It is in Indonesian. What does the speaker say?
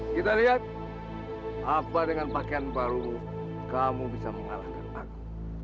kita lihat apa dengan pakaian baru kamu bisa mengalahkan aku